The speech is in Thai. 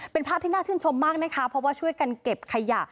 เป็นภาพที่น่าชื่นชมมากนะคะเพราะว่าช่วยกันเก็บขยะ